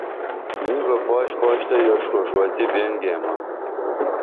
نی بہ پاش پاش تہ یوݜ کوݜ وتی بین گیمہ